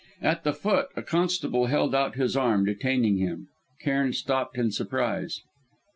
At the foot, a constable held out his arm, detaining him. Cairn stopped in surprise.